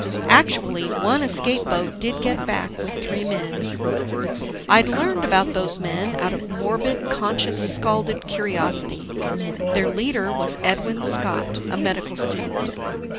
Actually, one escape boat did get back with three men. I'd learned about those men, out of morbid, conscience scalded curiosity. Their leader was Edwin Scott, a medical student.